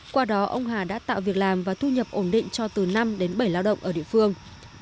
qua đó ông hà đã tạo việc làm và thu nhập ổn định cho từ năm đến bảy lao động ở địa phương